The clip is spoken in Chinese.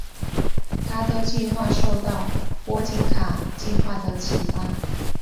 他的计划受到波金卡计划的启发。